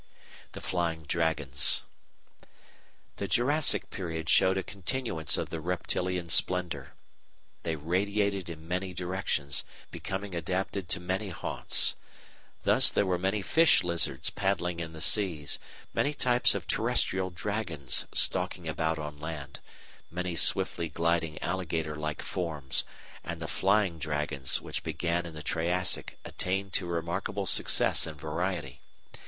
The Flying Dragons The Jurassic period showed a continuance of the reptilian splendour. They radiated in many directions, becoming adapted to many haunts. Thus there were many Fish Lizards paddling in the seas, many types of terrestrial dragons stalking about on land, many swiftly gliding alligator like forms, and the Flying Dragons which began in the Triassic attained to remarkable success and variety.